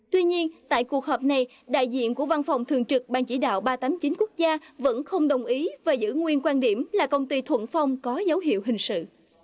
tuy nhiên tại cuộc họp này đại diện của văn phòng thường trực ban chỉ đạo ba trăm tám mươi chín quốc gia vẫn không đồng ý và giữ nguyên quan điểm là công ty thuận phong có dấu hiệu hình sự